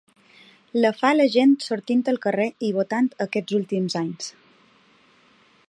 La fa la gent sortint al carrer i votant aquests últims anys.